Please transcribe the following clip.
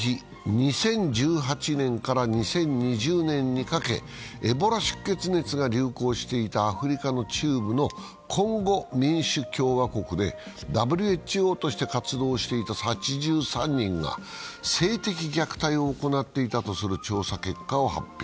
２０１８年から２０２０年にかけ、エボラ出血熱が流行していたアフリカの中部のコンゴ民主共和国でＷＨＯとして活動していた８３人が性的虐待を行っていたとする調査結果を発表。